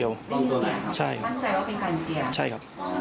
ที่ไหนครับ